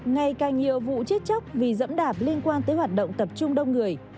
ngày càng nhiều vụ chết chóc vì dẫm đạp liên quan tới hoạt động tập trung đông người